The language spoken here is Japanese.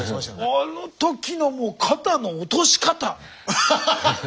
あの時の肩の落とし方。